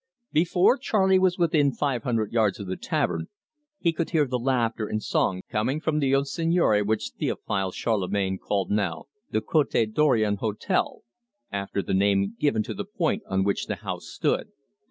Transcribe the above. Before Charley was within five hundred yards of the tavern he could hear the laughter and song coming from the old seigneury which Theophile Charlemagne called now the Cote Dorion Hotel, after the name given to the point on which the house stood.